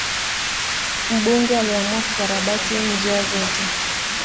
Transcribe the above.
Mbunge aliamua kukarabati njia zote